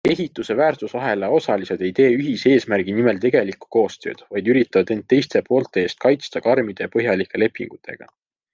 Ehituse väärtusahela osalised ei tee ühise eesmärgi nimel tegelikku koostööd, vaid üritavad end teiste poolte eest kaitsta karmide ja põhjalike lepingutega.